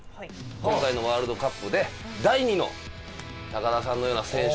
今回のワールドカップで第二の田さんのような選手。